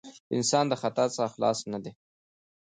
انسان د خطاء څخه خلاص نه دی.